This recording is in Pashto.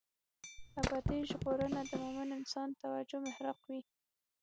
ابدي ژغورنه د مومن انسان توجه محراق وي.